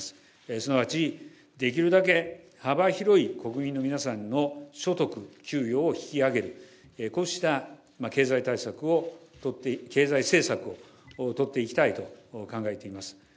すなわち、できるだけ幅広い国民の皆さんの所得、給与を引き上げる、こうした経済対策を取って、経済政策を取っていきたいと考えています。